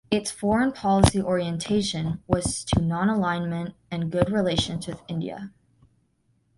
Its foreign policy orientation was to nonalignment and good relations with India.